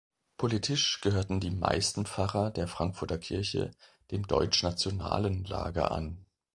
Politisch gehörten die meisten Pfarrer der Frankfurter Kirche dem deutschnationalen Lager an.